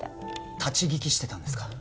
立ち聞きしてたんですか？